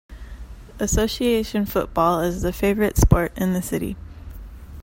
Association football is the favorite sport in the city.